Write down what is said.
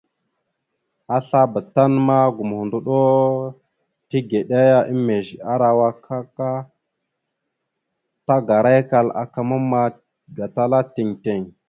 Aslabá tan ma gomohəndoɗo tigəɗá emez arawak aak, tagarakal aka mamma gatala tiŋ tiŋ.